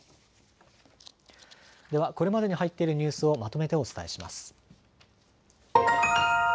ではこれまでに入っているニュースをまとめてお伝えします。